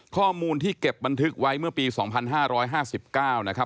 ข้อมูลที่เก็บบันทึกไว้เมื่อปี๒๕๕๙นะครับ